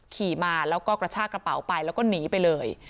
ขี่มาแล้วก็กระชากระเป๋าไปแล้วก็หนีไปเลย